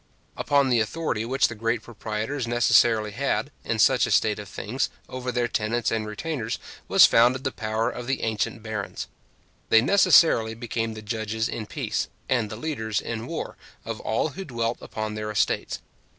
Upon the authority which the great proprietors necessarily had, in such a state of things, over their tenants and retainers, was founded the power of the ancient barons. They necessarily became the judges in peace, and the leaders in war, of all who dwelt upon their estates.